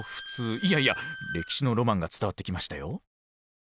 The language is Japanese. いやいや歴史のロマンが伝わってきましたよ。